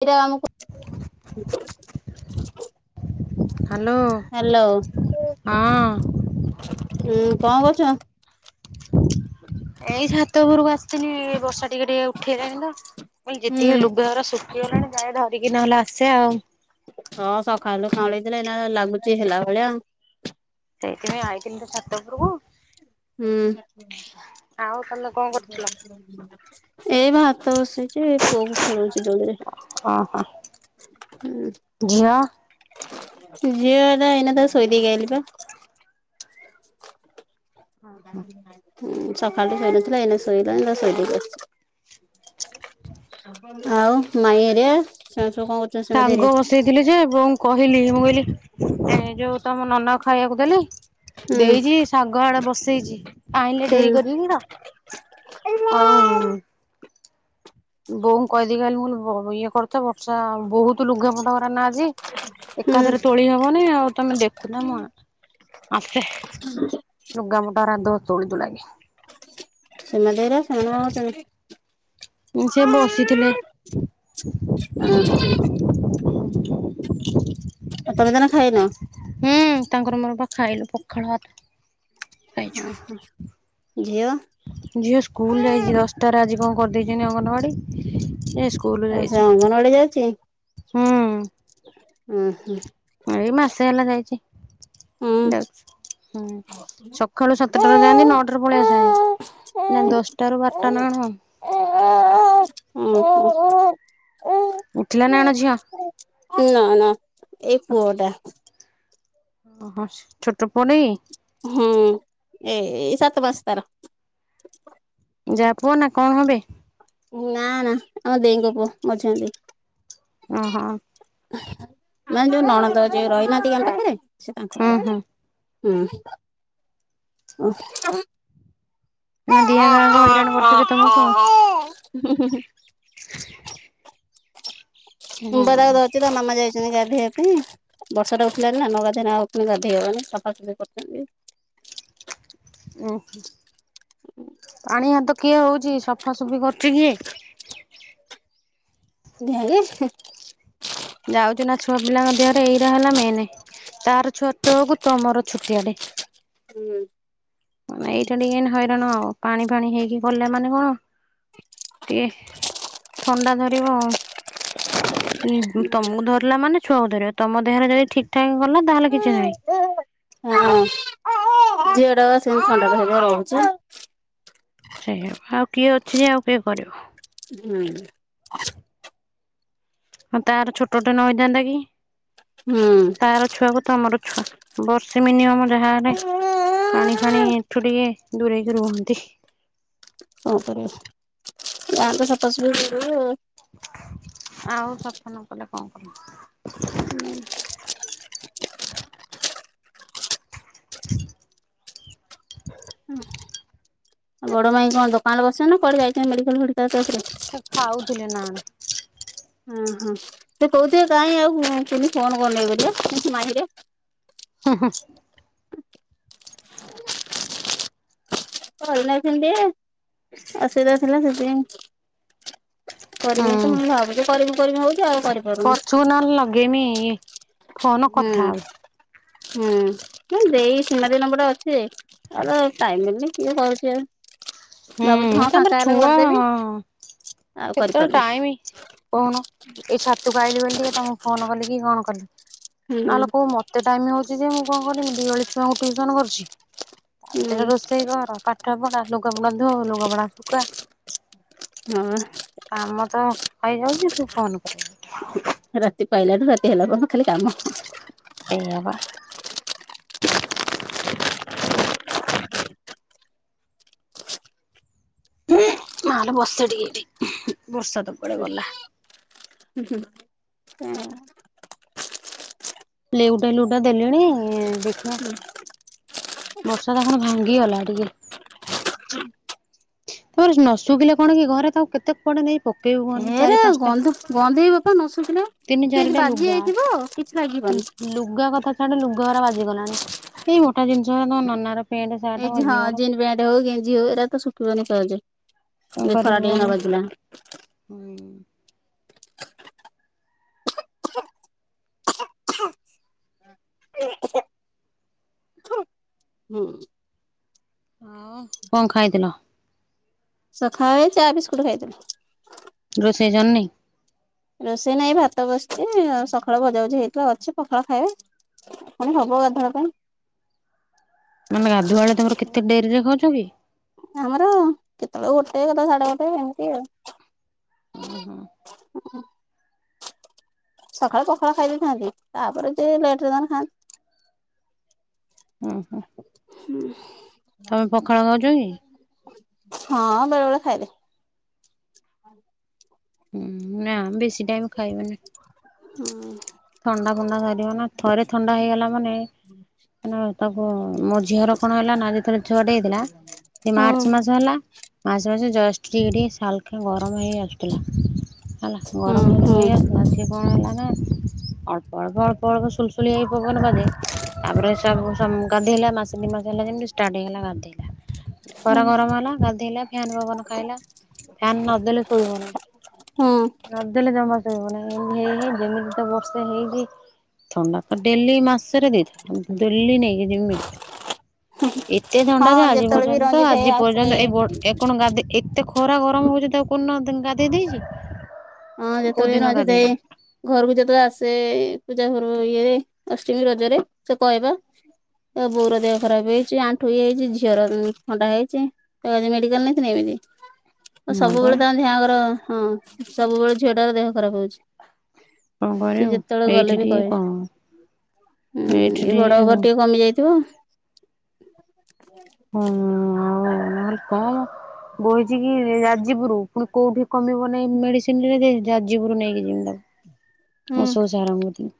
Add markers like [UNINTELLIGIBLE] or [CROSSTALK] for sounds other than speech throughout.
ଏଇଟା ଆମକୁ [INAUDIBLE] hello hello ହଁ। ଉଁ କଣ କରୁଛ। ଏଇ ଉଠେଇଲାଣିତ ମୁଁ କହିଲି ହୁଁ। ଯେତିକି ଲୁଗାଉରା ଶୁଖିଗଲାଣି ଯାଏ ଧରିକି ନହେଲେ ଆସେ ଆଉ। ହଁ ସକାଳୁ କାଂଳେଇଥିଲା ଏଇନା ଲାଗୁଚି ହେଲାଭଳିଆ। ସେଇଥିପାଇଁ ଆଇଥିଲୁ ତ ଛାତ ଉପରକୁ। ହୁଁ ଆଉ ତମେ କଣ କରୁଥିଲ? ଏଇ ଭାତ ବସେଇଚି। ପୁଅକୁ ଖେଳଉଛି ଦୋଳିରେ। ଓହୋ ହୁଁ। ଝିଅ ଝିଅଟା ଏଇନା ତାକୁ ଶୋଇ ଦେଇ ଆଇଲି ପା। ଆ। ହଁ ସକାଳୁ ଟିକେ ଶୋଇନଥିଲା ଏଇନା ଶୋଇଲାଣି ତକୁ ଶୋଇଦେଇ କି ଆସୁଛି। ଆଉ ମାଇଁହେରିଆ। ସାଗ ବସେଇଥିଲି ଯେ ବଉଙ୍କୁ କହିଲି ମୁଁ କହିଲି ଏ ଯୋଉ ତମ ନନାଙ୍କୁ ଖାଇବାକୁ ଦେଲି। ହୁଁ ଦେଇଛି ଶାଗ ଆଡେ ବସେଇଛି ଆଣିଲେ ହୁଁ ଡେରି କରିକିତ। ଆଉ। ବୋଉଙ୍କୁ କହିଦେଇକି ଆଇଲି ମୁଁ କହିଲି ଇଏକରୁଥା ବର୍ଷା ବୋହୁ ବହୁତ ଲୁଗାପଟାଉରାନା ଆଜି ହୁଁ। ଏକାଥରେ ତୋଳି ହବନି ଆଉ ତମେ ଦେଖୁତା ମୁଁ ଆଉଚି। ଆମେ ଲୁଗାପଟାଉରା ଦୁଅ ତେଳିଦେଲାଣି। ଜେମାଦେଇ ର ଶୋମ୍ୟ କେମିତି। ସେ ବସିଥିଲେ [INAUDIBLE] ଓହୋ ହ [UNINTELLIGIBLE] ତମେ ତାନେ ଖାଇନ। ହୁଁ ତାଙ୍କର ମୋରପା ଖଇଲୁ ପଖାଳ ଭାତ। ଖାଇଚୁ ହଁ ଝିଅ? ଝିଅ ସ୍କୁଲ ଯାଇଛି ଦଶଟାରେ ଆଜି କଣ। କରିଦେଇଛନ୍ତି ଅଙ୍ଗନବାଡ଼ି। ସିଏ ସ୍କୁଲ ଆଉ ସେ ଯାଇଛି ଅଙ୍ଗନବାଡି ଯାଉଛି? ହୁଁ। ହୁଁ ହୁଁ। ଏଇ ମାସେ ହେଲା ଯାଇଛି। ଉଁ। ଯ ହୁଁ ସକାଳୁ ସାତଟାରେ ଯାଆନ୍ତି ନଅଟାରେ ପଳେଇ ଆସନ୍ତି। [UNINTELLIGIBLE] ନା ଦଶଟା ରୁ [UNINTELLIGIBLE] ବାରଟା ହଁ ନା କଣ ହଁ ହଁ ଉଠିଲା ନା ହଁ କଣ ଝିଅ ନା ନା ଏଇ ପୁଅଟା। ଓ ହୋ ଛୋଟ ପୁଆନାଇଁ। ହୁଁ ଏ ସାତ ମାସ୍ ତାର। ଯା ପୁଅ ନା କଣ ହବେ। ନା ନା ଆମ ଦେଇଙ୍କ ପୁଅ ଅଛନ୍ତି। ଓ ହୋ। ମାନେ ଯୋଉ ନଣନ୍ଦ ଯୋଉ ରହିନାହାନ୍ତି ଆମ ପାଖରେ ସେ ତାଙ୍କ ହୁଁ ପାଖରେ ସେ ହୁଁ ତାଙ୍କ ପୁଅ ହୁଁ ଓ [UNINTELLIGIBLE] ନା ଦିଆଁ ଗାଁ କ ହଇରାଣ କରୁଥିବେ ତମକୁ ଆଉ ହୁଁ ହୁଁ ହୁଁ। ମୁମ୍ବାରକ ଧଉଛି ତ ମାମା ଯାଇଛନ୍ତି ଗାଧଇଆ ପାଇଁ। ବର୍ଷା ଟା ଉଠିଲାନି ନା ନଗାଧ ନା ହଉ ଗାଧୋଇ ହବାନି ସଫାସଫି କରୁଛନ୍ତି। ଓ ହଁ। ପାଣି ହାତ କିଏ ହଉଛି ସଫାସଫି କରୁଛି କିଏ? ଏଏହେହେ। ଯାଉଛୁ ନା ଛୁଆ ପିଲାଙ୍କ ଦେହରେ ଏଇରା ହେଲା ମେନେ୍। ତାର ଛୁଆଟକୁ ତମର ଛୋଟିଆଟେ। ହୁଁ। ମେ ଏଇଟା ଟିକେ ହଇରାଣ ଆଉ ପାଣି ଫାଣି ହେଇକି ଗଲ ମାନେ କଣ? [INAUDIBLE] ଇଏ ଥଣ୍ଡା ଧରିବ ଆଉ ତମକୁ ଧରିଲା ମାନେ ଛୁଆଙ୍କୁ ଧରିବ ତମ ଦେହରେ ଯଦି ଠିକ ଠାକ ଗଲା ତାହେଲେ କିଛି ନାହିଁ। ହଁ ଝିଅଟା କୁ ବା ସେମିତି ଥଣ୍ଡା ଧରିକି ରହୁଛି। ସେଇଆ ପା ଆଉ କିଏ ଅଛି ଯେ କିଏ କରିବ? ହୁଁ। ହଁ ତାର ଛୋଟଟେ ନ ହେଇଥାନ୍ତା କି? ହୁଁ। ତାର ଛୁଆକୁ ତମର ଛୁଆ ବର୍ଷେ ମିନିମମ ଯାହାରେ ପାଣି ଫାଣି ଏଠୁ ଟିକେ ଦୂରେଇକି ରୁହନ୍ତି। ହପରେ ଯାନ୍ତ ସ ଆଉ ସଫା ନ କଲେ କଣ କର [INAUDIBLE] [INAUDIBLE] ଆ ଉଡ ମାଇ କଣ ଦୋକାନ ବସିଛନ୍ତି ନା କୁଆଡେ ଯାଇଛନ୍ତି ମେଡିକାଲ ଫେଡି ସେ ଖାଉଥିଲେ ନା କଣ? ଓ ହଁ ତ କହୁଚି କାହିଁ ଆଉ କୁନି ଫୋନ କରୁନି ମାହିରେ ହଁ ହ। [INAUDIBLE] ଭ ନ [UNINTELLIGIBLE] ଟ ଅସୁବିଧା ଥିଲା ସେଥିପାଇଁ। କରିବି ତ ମୁଁ ଭାବୁଛି କରିବି କରିବି ଆଉ କରିପାରୁନି। ପଚୁ ନ ଲଗେଇମି ଫୋନ ହୁଁ କଥା ହବୁ। ହୁଁ ଦେଇସିନା ଦିନ ପଟେ ଅଛି ଆଉ ଟାଇମ ମିଳୁନି କିଏ କରୁଚି ଆଉ? ବାବୁ ହୁଁ ଫାଙ୍କା ତାପରେ ହେଲେ ଛୁଆ କରିଦେବି। ଆଉ କେତେବେଳେ କରିପାରୁନି ଟାଇମ କଣ ଏଇ ଛାତକୁ ଆଇଲି ବୋଲି ଟିକେ ତମକୁ ଫୋନ କଲି। କଣ କଲି ହୁଁ ନହେଲେ କଉ ମତେ ଟାଇମ ହଉଛି ଯେ ମୁଁ କଣ ମ ଦିଓଳି ଛୁଆଙ୍କୁ ଟୁସନ କରୁଚି ତା ହୁଁ ଭିତରେ ରୋଷେଇ କର ପାଠ ପଢା ଲ ଲୁଗାପଟା ଧୋ ଲୁଗାପଟା ସୁକା। ହଁ କାମ ତ ହେଇଯାଉଛି ତୁ ଫୋନ କରିବୁ? ରାତି ପାଇଲାଠୁ ରାତି ହେଲା ପର୍ଯ୍ୟନ୍ତ ଖାଲି କାମ। ସେଇଆ ବା। [INAUDIBLE] ହୁଁ ମା ଲୋ ବସେ ଟିକେ ଏଠି ବର୍ଷା ତ କୁଆଡେ ଗଲା? ହ ହୁଁ ହ ଲେଉଟା ଲଉଟା ଦେଲେଣି ଦେଖିଆ ବର୍ଷା ତ କଣ ଭାଙ୍ଗି ଗଲା ଟିକେ। ତାପରେ ନ ଶୁଖିଲେ କଣ କି ଘରେ ତାକୁ କେତେ କୁଆଡେ ନେଇ ପକେଇବୁ କୁହନି? ଏରା ଗନ୍ଧ ଗନ୍ଧେଇ ପା ନ ଶୁଖିଲେ। ତିନି କେମିତି ଚାରିଟା ବାଜି ଲୁଗା ଯାଇଥିବ ଆ କିଛି ଲାଗିବନି। ସେଟେ ଲୁଗାଅରା ବାଜିଗଲାଣି ଏଇ ଗୋଟେ ଜିନିଷ ତମ ନନାର ପେଣ୍ଟ ସାର୍ଟ ମୋ ଏଇ ହଁ ଝିଅର ଜିନ୍ସ ପେଟ ହଉ ଗେଞ୍ଜି ହଉ ଏଇରା ତ ସୁଖି ବନି ସହଜେ। କଣ ଏ କରିବୁ ଖରା ଟିକେ ନ କହନି। ବାଜିଲା ହୁଁ ହୁଁ। ହଁ କଣ ଖାଇଥିଲ? ସଖାଳେ ଚା, ବିସ୍କୁଟ ଖାଇଥିଲି। ରୋଷେଇ ସରିନି? ରୋଷେଇ ନାଇଁ ଭାତ ବସିଛି ସକାଳୁ ଭଜାଭୁଝି ହେଇଥିଲା ଅଛି ପଖାଳ ଖାଇବେ। କଣ ହବ ଗାଧୁଆ ବେଳ ପାଇଁ? ମାନେ ଗାଧୁଆଳଳେ ତମର କେତେ ଡେରି ରେ ଖାଉଛ କି ଆମର କେତେବେଳକୁ ଗୋଟେ ଗଲେ ସାଢେ ଗଟେ ଏମିତି ଆଉ ଓହ ସକାଳେ ପଖାଳ ଖାଇ ଦେଇଥାନ୍ତି ତାପରେ ଯ ଲେଟରେ ଖାଆନ୍ତି ଓହୋ [INAUDIBLE] ହୁଁ ତମେ ପଖାଳ ଖାଉଛ କି? [INAUDIBLE] ହଁ ବେଳେ ବେଳେ ଖାଇଲେ [INAUDIBLE] ହୁଁ ନା ବେଶୀ ଟାଇମ ଖାଇବ ନା ହୁଁ ଥଣ୍ଡା ଫଣ୍ଡା ଧରିବ ନା ଥରେ ଥଣ୍ଡା ହେଇଗଲା ମାନେ ତାକୁ ମୋ ଝିଅର କଣ ହେଲା ନା ଯେତେବେଳେ ଛୁଆଟ ହେଇଥିଲା ସେ ହୁଁ ମାର୍ଚ୍ଚ ମାସ ହେଲା ମାସେ ମାସେ ଜଷ୍ଟେ ଶାଲ ଆ ଗରମ ହେଇ ଆସୁଥିଲା ହେଲା ହୁଁ ଗରମ ଲର ହୁଁ ହେଇ ଆସୁଥିଲା ସିଏ କଣ ହେଲା ନା ଅଳ୍ପ ଅଳ ଅଳପ ଅଳ ସୁୁଲସୁଲି ଆଇପ କ ବାଜେ ତାପରେ ସବୁ ଗାଧୋଇଲା ମାସ ଦି ମାସ ହେଲା ଯେମିତି ଷ୍ଟାର୍ଟ ହେଇଗଲା ଗାଧେଇଲା ହୁଁ ଖରା ଗରମ ହେଲା ଗାଧେଇଲା ଫାନ ପବନ ଖାଇଲା ଫ୍ୟାନ ନଦେଲେ ଶୋଇବ ନାହି ହୁଁ ନଦଲେ ତ ମ ତି ହେଇ ଯେମିତି ତ ବର୍ଷେ ହେଇଛି ଥଣ୍ଡା ତ ଡେଲି ମାସ ଦେଇ ଦଡଲୀ ନ ନେଇାଇକି ମି ଏତେ ଥଣ୍ଡା ହଁ ଯେ ଆଜି ଯେତେବେଳେ ବି ପର୍ଯ୍ୟନ୍ତ ରଞ୍ଜିତ ଭାଇ ଆଜି ଆସେ ପର୍ଯ୍ୟନ୍ତ ଏଇ ବ ଏ କଣ ଗାଧ ଏତେ ଖରା ଗରମ ହଉଛି ତା କ ଗା ଦେଇ ଦେଇେଇଛି ହଁ ଯେତେବେଳେ ନଛିତ ଘରକୁ ଯେତେବେଳେ ଆସ ସେ ପୂଜା ଘର ଇଏ ଅଷ୍ଟମୀ ରଜରେ ସେ କହିବା ଆ ବୋଉର ଦେହ ଖରାପ ହେଇଛି ଆଣ୍ଠୁ ବିଇ ହେଇଛି ଝିଅ ଥଣ୍ଡା ହେଇଛି ଆ ମେଡିକାଲ ନେଇ ନେବି ହ ଓ ହଁ ପା ସବୁବେଳେ ତଙ୍କ ଦେଁଙ୍କର ହଁ ସବୁବେଳେ ଝିଅଟାର ଦେହ ଖରାପ ହଉଛି କଣ ସେ କରିବୁ ଯେତେବେଳେ ଏଇଠି ଗଲେ ବି ଟିକେ କମ କହିବେ ହୁଁ ଏଇଠି ଏଇ ବଡ ହଁ ଖବର ଟିକେ କମି ଯାଇଥିବ ହୁଁ ଆଉହାରପା ବହିଛି କି ରାଜିବରୁ ପୁଣି କୋଉଠି କମିବ ନାହି ମେଡିସିନ ରେ ଯାଜବରୁ ନେଇକିମି ହୁଁ ମୁଁ ଶୁଚାରଦ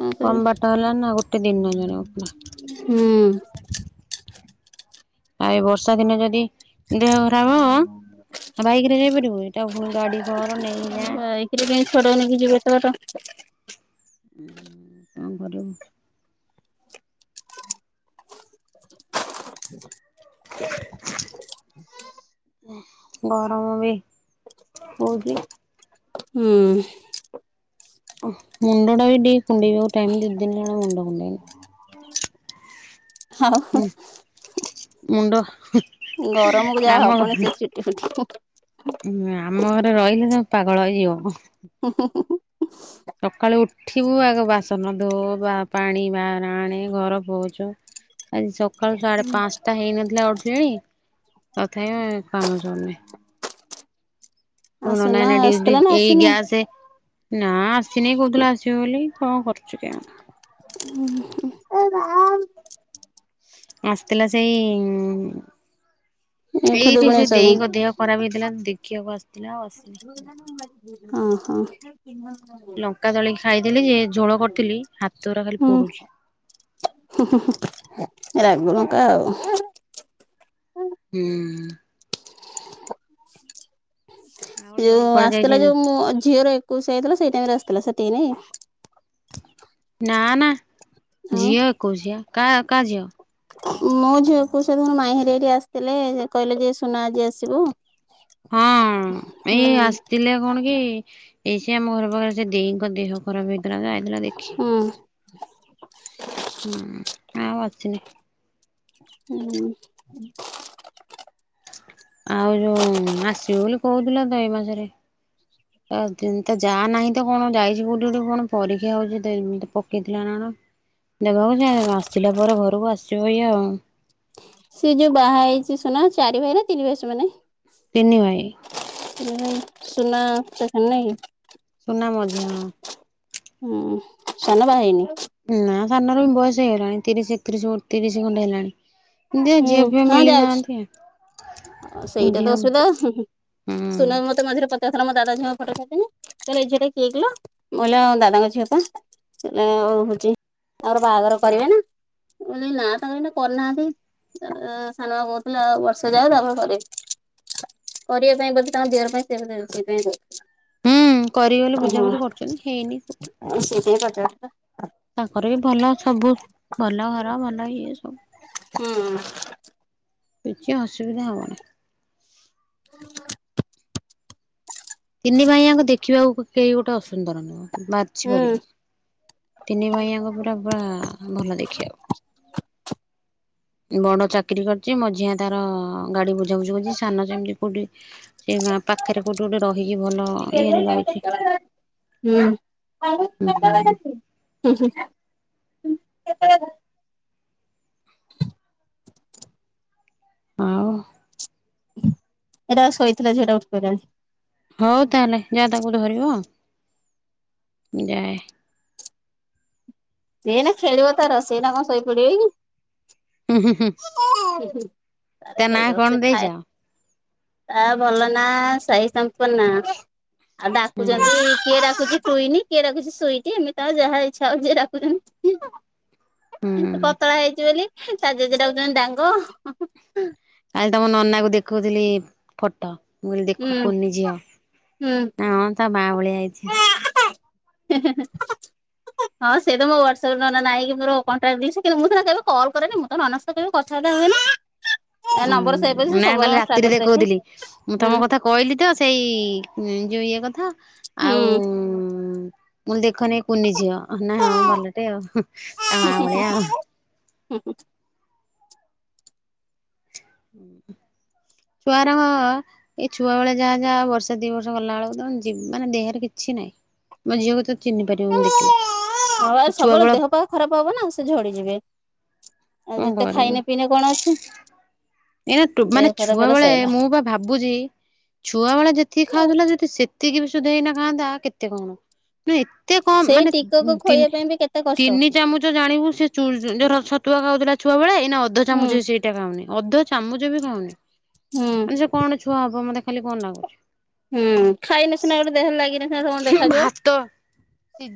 କଣ ହେଲା ନା ଗୋଟେ ଦିନ ଜଣେ ଉଠିଲା। କରିବି [INAUDIBLE] ହୁଁ [INAUDIBLE] ଆଉ ଏଇ ବର୍ଷା ଦିନେ ଯଦି ଦେହଖରାପ ହବ ବାଇକରେ ଯାଇପାରିବୁ ତାକୁ ପୁଣି ଗାଡିକର ନେଇକି ଯା କେମିତି ଛୁଆଟାକୁ ନେଇକି ଯିବ ଯେ ହୁଁ କଣ କରିବୁ [INAUDIBLE] [INAUDIBLE] ଗରମ ବି ହଉଛି ହୁଁ ଓ ହୋ ମୁଣ୍ଡଟା ବି ଟିକେ କୁଣ୍ଡେଇ ବାକୁ ଟାଇମ କେତେ ହେଲାଣି ମୁଣ୍ଡ କୁଣ୍ଡେଇନି [INAUDIBLE] ଆଉ ହୁଁ ମୁଣ୍ଡ ଗରମକୁ ଯାହା ହବଣି ପୁଣି ସେ ଚୁଟିଫୁଟି ହୁଁ ଆମ ଘରେ ରହିଲେ ସବୁ ପାଗଳ ହବ ସକାଳୁ ଉଠିବୁ ଆଗ ବାସନ ଦୋ ବା ପାଣି ବା ଆଣେ ଘର ପୋଛ ଆଜି ସକାଳୁ ସାଢେପାଞ୍ଚଟା ହେଇନଥିଲା ଉଠିଲିଣି ତଥାପି କାମ ସରୁନି ତମ ଆଉ ନନା ସୁନା ଏଇନା ଡିଉଟି ଆସିଥିଲା ନା ଏଇ ଆସିନି? ଗ୍ୟାସ ନା ଆସିନି କୋଉଥିଲା ଆସିବ ବୋଲି କଣ କରୁଛୁ କେହାଣି [INAUDIBLE] ଆସିଥିଲା ସେଇ ଇଁ ଏ ଉଁ। ଏଇଠି ଖୁଦୁରୁକୁଣୀ ସେ ଓଷାକୁ ଦେଇଙ୍କ ଦେହଖରାପ ହେଇଥିଲା ଦେଖିବାକୁ ଆସି ଦଉନାହାଁନ୍ତି ମୁଁ ମାଜିଦେବି ଓ ହ। ଲଙ୍କାଦଳିକି ଖାଇଦେଲି ଯେ ଝୋଳ କରିଥିଲି ହାତଗୁରା ଖାଲି ପୋଡୁଛି। ହୁଁ ହୁଁ ରାଗଲଙ୍କା ଆଉ ହୁଁ। ହୁଁହୁଁ। ଆଉ ଜ୍ୱାଇଁ ଯୋଉ କୁଆଡେ ଆସିଥିଲା ଯାଇଛନ୍ତି? ଯୋଉ ମୋ ଝିଅର ଏକୋଇଶିଆ ହେଇଥିଲା ସେଇ ଟାଇମରେ ଆସିଥିଲା ସେତି ତ ନାଇ [INAUDIBLE] ନା ନା ଝିଅ ଏକୋଇଶିଆ କା କା ଝିଅ। ମୋ ଝିଅ ଏକୋଇଶିଆ ଦିନ ମାଇଁହେରିକା ଏଠି ଆସିଥିଲେ କହିଲେ ଯେ ସୁନା ଆଜି ଆସିବ। ହଁ ହଁ ଏଇ ଆସିଥିଲେ କଣ କି ଏଇଠି ଆମ ଘର ପାଖରେ ସେ ଦେଇଙ୍କ ଦେହ ଖରାପ ହେଇଥିଲା ତ ଆଇଥିଲା ଦେଖି। ହୁଁ ହୁଁ ଆଉ ଆଛିିନି। ହୁଁ [INAUDIBLE] ଆଉ ଯୋଉ ଆସିବ ବୋଲି କହୁଥିଲା ତ ଏଇ ମାସରେ ତା ଯା ନାହିଁ ତ କଣ ଯାଇଛି କୋଉଠି କଣ ପରୀକ୍ଷା ହଉଛି ପକେଇଥିଲା ନା କଣ। ଦେବାକୁ ଯେ ଆସିଲା ପରେ ଘରକୁ ଆସିବ ଇଏ ଆଉ। ସେ ଯୋଉ ବାହା ହେଇଛି ସୁନା ଚାରି ଭାଇ ନା ତିନି ଭାଇ ସେମାନେ। ତିନିିଭାଇ। ସୁନା ସେଖ ନହିଁ [UNINTELLIGIBLE] ସୁନା ମଝିଅଁ। ହୁଁ ସାନ ବାହା ହେଇନି। ନା ସାନର ବି ବୟସ ହେଇଗଲାଣି ତିରିଶି ଏକତିରିଶ ତି ରିଶି ଖଣ୍ଡେ ହେଲାଣି। ଯେ ହୁଁ ଝିଅଫିଅ ଯାଉଛି। ମିଳିନାହାନ୍ତି। ହଁ ସେଇଟା ତ ଅସୁବିଧା ହୁଁ ହୁଁ ସୁନା ମତେ ମଝିରେ ପ ଏଥର ମୋ ଦାଦା ଝିଅଙ୍କ ଫଟୋ ଛାଡିଥିନି ଏଇ ଝିଅଟା କିଏ କିଲୋ ମୁଁ କହିଲି ମୋ ଦାଦାଙ୍କ ଝିଅ ପା। ହେଁ ହଉଛି [INAUDIBLE] ତାଙ୍କର ବାହାଘର କରିବେ ନା। ମୁଁ କହିଲି ନା ତାଙ୍କର କରିନାହାନ୍ତି ସାନମା କହୁଥିଲା ଆଉ ବର୍ଷେ ଯାଉ ତାପରେ କରିବି କରିବା ପାଇଁ ବୋଧେ ତାଙ୍କ ଦିହର ପାଇଁ ସେଥିପାଇଁ ହୁଁ କରିବେ ବୋଲି ବୁଝାବୁଝି କରୁଛନ୍ତି ହେଇନି କୋଉଠି। କଉଥି ହଁ ସେଇଥିପାଇଁ ପଚା ତାଙ୍କର ବି ଭଲ ସବୁ ଭଲ ଘର ଭଲ ଇଏ ସବୁ। ହୁଁ। କିଛି ଅସୁବିଧା ହବନି। ତିନି ଭାଇଆଙ୍କ ଦେଖିବାକୁ କେହି ଗୋଟେ ଅସୁନ୍ଦର ନୁହଁ। ବାଛି ପାରିବନି ତିନି ଭାଇଆଙ୍କ ପୁରା ପୁରା ଭଲ ଦେଖିବାକୁ। ବଡ଼ ଚାକିରି କରିଛି ମଝିଆ ତାର ଗାଡ଼ି ବୁଝାବୁଝି କରୁଛି ସାନ ସେମିତି କୋଉଠି ସେଁ ଗାଁ ପାଖରେ କୋଉଠି ଗୋଟେ ରହିକି ଭଲ ଇଏରେ ରହିଛି। ହୁଁ। ହୁଁ ହୁଁ। ଏଇଟା ଆଉ। ଏଟା ଶୋଇଥିଲା ଝିଅଟା ଉଠିପଇଲାଣି। ହଉ ତାହେଲେ ଯାଅ ତାକୁ ଧରିବ। ଯାଏ। ସିଏ ଏଇନା ଖେଳିବ ତାର ର ସିଏ ଏଇନା କଣ ଶୋଇପଡ଼ିବ ହୁଁ ହୁଁ ହୁଁ କି? ତା ତାର ନାଁ ଖେଳିବ କଣ ସେ ଦେଇଛ? ଖଏ ତା ଭଲ ନା ସାଇ ସମ୍ପର୍ନା ଆଉ ହୁଁ ଡାକୁଛନ୍ତି କିଏ ଡାକୁଛି କୁଇନି କିଏଡ଼ାକୁଚି ସୁଇଟି ଏମିତି ଆଉ ଯାହା ଇଚ୍ଛା ହଉ ଯିଏଡାଖୁଛନ୍ତି। ହୁଁ ସିଏ ପତଳା ହେଇଛି ବୋଲି ତା ଜେଜ ଡାକୁଛନ୍ତି ଡାଙ୍ଗ ହଁ ହଁ ହଃ। କାଲି ତମ ନନାକୁ ଦେଖଉଥିଲି ଫଟୋ। ମୁଁ କହିଲି ଦେଖ ହୁଁ କୁନି ଝିଅ ହୁଁ। ନାଁ ହଁ ତା ମା ଭଳିଆ ହେଇଛି। ହଁ ହଁ। ହଁ ସେ ତ ମୋ ହ୍ୱାଟସପ ନନା ନାଇଁ କି ମୋର କଣ୍ଟାକ୍ଟ ଲିଷ୍ଟ କିନ୍ତୁ ମୁଁ ତା ସାଙ୍ଗେ କେବେ କଲ କରେନି ମୁଁ ତ ନନାଙ୍କ ସହ କେବେ କଥାବାର୍ତ୍ତା ହୁଏନି। ହୁଁ ନମ୍ବର ସେଭ୍ ଅଛି ସେ ନା ସବୁବେଳେ କାଲି ମୋ ରାତିରେ ଷ୍ଟାଟସ୍ ଦେଖେ ଦେଖଉଥିଲି ମୁଁ ହୁଁ ତମ କଥା କହିଲି ତ ସେଇ ଯୋଉ ଇଏ କଥା ହୁଁ। ଆଉ ମୁଁ ଦେ ଖନି କୁନି ଝିଅ ନା ହଁ ଭଲଟେ ଆଉ ତା ମା ଭଳିଆ ଆଉ। ହୁଁ ହୁଁ। ହୁଁ। ଛୁଆର ଏଇ ଛୁଆ ବେଳେ ଯାହା ଯାହା ବର୍ଷେ ଦି ବର୍ଷ ଗଲା ବେଳକୁ ତ ଜି ମାନେ ଦେହରେ କିଛି କି ନାଇଁ ମୋ ଝିଅକୁ ତ ଆ ଛୁଆ ସବୁବେଳେ ବେଳ ଦେହପା ଖରାପ ହବନା ସେ ଝଡ଼ିଯିବେ। ଆଉ କଣ ଯେତେ କରିବୁ। ଖାଇନେ ପିଇନେ କଣ ଅଛି? ଏଇନା ଟୁ ଦେହ ମାନେ ଖରାପ ହେଲା ଛୁଆବେଳେ ସଇଲା। ମୁଁ ପା ଭାବୁଛି ଛୁଆବେଳେ ଯେତିକି ଖାଉଥିଲି ଯଦି ସେତି ଏତିକି ବି ସୁଧା ଏଇନା ଖାନ୍ତା କେତେ କଣ ନାଇ ଏତେ କମ ସେଇ ମାନେ ଟିକକ ତି ଖୋଇବା ପାଇଁ ବି କେତେ କଷ୍ଟ ତିନି ଚାମୁଚ ଜାଣିବୁ ସେ ଚୁର ଧର ଛ ତୁଆ ଖାଉଥିଲା ଛୁଆ ବେଳେ ଏଇନା ଅଧ ହୁଁ ଚାମଚ ସେଇଟା ଖାଉନି ଅଧ ଚାମଚ ବି ଖାଉନି। ହୁଁ। ମାନେ ସେ କଣ ଛୁଆ ହବ ମତେ ଖାଲି କଣ ଲାଗୁଛି। ହୁଁ ଖାଇନେ ସିନା ଗୋଟେ ଦେହରେ ଲାଗିନେ ସିନା ସମସ୍ତଙ୍କୁ ଦେଖାଯିବ। ଭାତ ସି